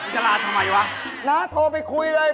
จะลาทำไมวะน้าโทรไปคุยเลย